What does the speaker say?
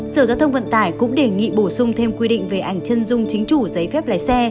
sở giao thông vận tải cũng đề nghị bổ sung thêm quy định về ảnh chân dung chính chủ giấy phép lái xe